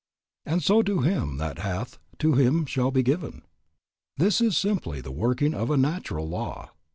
And so to him that hath, to him shall be given. This is simply the working of a natural law.